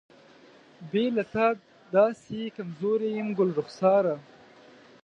بې له تا داسې کمزوری یم ګلرخساره.